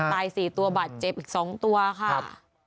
ตาย๔ตัวบาดเจ็บอีก๒ตัวค่ะ